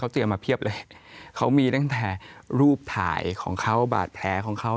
ตั้งแต่รูปถ่ายของเขาบาทแผลของเขา